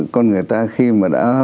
con người ta khi mà đã